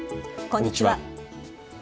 こんにちは。